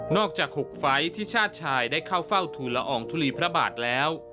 อกจาก๖ไฟล์ที่ชาติชายได้เข้าเฝ้าทุนละอองทุลีพระบาทแล้ว